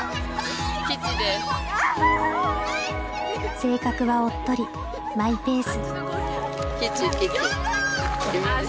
性格はおっとりマイペース。